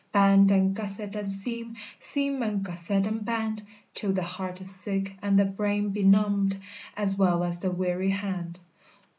Band, and gusset, and seam, Seam, and gusset, and band, Till the heart is sick and the brain benumbed, As well as the weary hand.